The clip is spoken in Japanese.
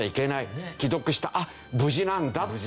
既読した無事なんだって。